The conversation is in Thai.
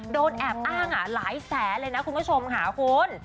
โดนแอบอ้างหลายแสนเลยนะคุณผู้ชมค่ะคุณ